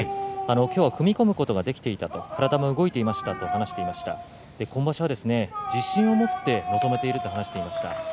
今日は踏み込むことができた体も動いていますと話していまして今場所は自信を持って臨めていると話していました。